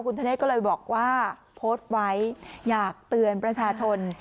คุณธเนธก็เลยบอกว่าโพสต์ไว้อยากเตือนประชาชน